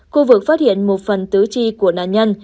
khu vực phát hiện một phần tứ chi của nạn nhân